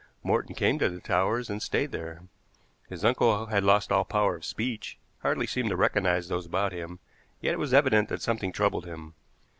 Morton came to the Towers and stayed there. His uncle had lost all power of speech, hardly seemed to recognize those about him, yet it was evident that something troubled him.